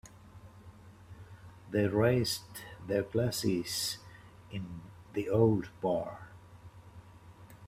They raised their glasses in the old bar.